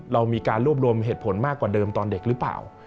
เรามีการรวบรวมเหตุผลมากกว่าเดิมตอนเด็กหรือเปล่า